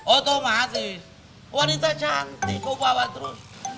otomatis wanita cantik kau bawa terus